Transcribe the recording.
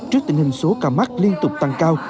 trước tình hình số ca mắc liên tục tăng cao